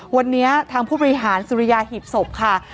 วันนี้ทางผู้บริหารสุริยาหีบศพค่ะ